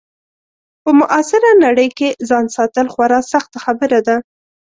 په معاصره نړۍ کې ځان ساتل خورا سخته خبره ده.